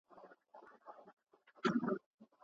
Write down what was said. مُغان زخمي دی مطرب ناښاده